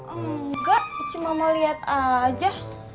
engga cuma mau liat aja